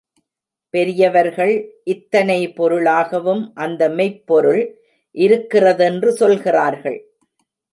பெரியவர்கள் இத்தனை பொருளாகவும் அந்த மெய்ப் பொருள் இருக்கிறதென்று சொல்கிறார்கள்.